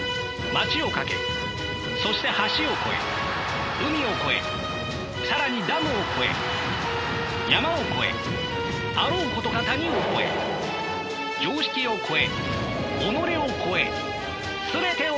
街を駆けそして橋を越え海を越え更にダムを越え山を越えあろうことか谷を越え常識を越え己を越え全てを越えて。